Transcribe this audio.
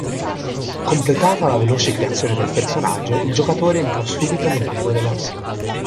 Completata la veloce creazione del personaggio, il giocatore entrerà subito nel vivo dell'azione.